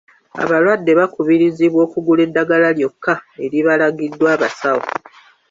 Abalwadde bakubirizibwa okugula eddagala lyokka eribalagiddwa abasawo.